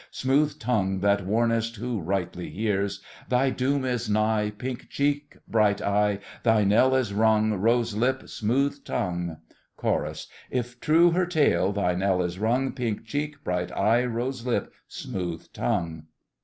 Smooth tongue, that warnest Who rightly hears! Thy doom is nigh. Pink cheek, bright eye! Thy knell is rung, Rose lip, smooth tongue! CHORUS. If true her tale, thy knell is rung, Pink cheek, bright eye, rose lip, smooth tongue!